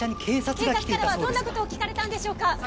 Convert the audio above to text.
警察からはどんなことを聞かれたんでしょうか？